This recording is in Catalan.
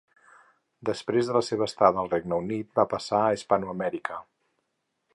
Després de la seva estada al Regne Unit va passar a Hispanoamèrica.